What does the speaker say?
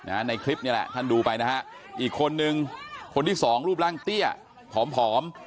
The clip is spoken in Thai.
ในคลิปนี่แหละท่านดูไปนะฮะอีกคนนึงคนที่สองรูปร่างเตี้ยผอมผอม